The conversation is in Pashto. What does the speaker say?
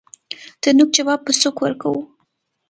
دنوک جواب په سوک ورکوو